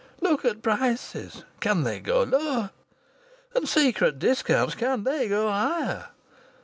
Look at prices; can they go lower? And secret discounts; can they go higher?